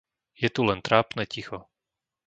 Je tu len trápne ticho.